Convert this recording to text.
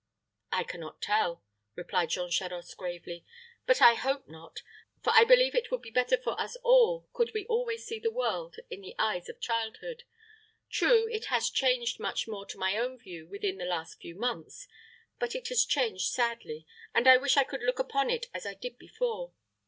"I can not tell," replied Jean Charost, gravely; "but I hope not; for I believe it would be better for us all could we always see the world with the eyes of childhood. True, it has changed much to my own view within the last few months; but it has changed sadly, and I wish I could look upon it as I did before.